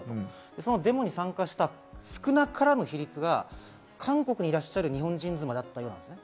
そのデモに参加した少なからぬ比率が韓国にいらっしゃる日本人妻だったようなんですね。